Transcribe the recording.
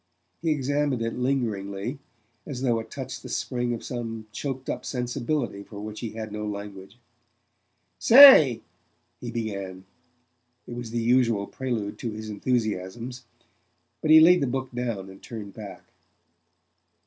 He examined it lingeringly, as though it touched the spring of some choked up sensibility for which he had no language. "Say " he began: it was the usual prelude to his enthusiasms; but he laid the book down and turned back.